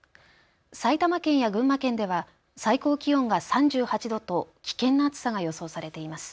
埼玉県や群馬県では最高気温が３８度と危険な暑さが予想されています。